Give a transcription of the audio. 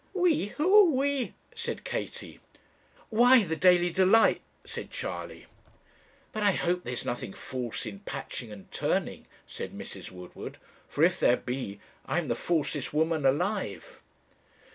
'We who are we?' said Katie. 'Why, the Daily Delight,' said Charley. 'But I hope there's nothing false in patching and turning,' said Mrs. Woodward; 'for if there be, I'm the falsest woman alive.